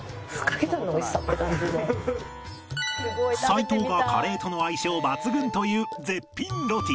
齋藤がカレーとの相性抜群と言う絶品ロティ